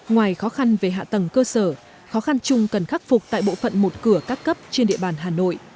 ngoài khó khăn về hạ tầng cơ sở khó khăn chung cần khắc phục tại bộ phận một cửa các cấp trên địa bàn hà nội